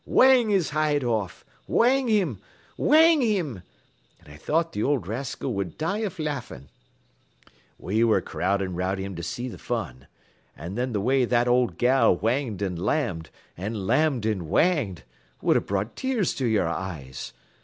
Whang his hide off! Whang him! Whang him!' An' I thought th' old raskil would die av laffin'. "We ware crowdin' around thim to see th' fun, an' th' way that old gal whanged an' lammed, an' lammed an' whanged, wud have brung tears to yer eyes.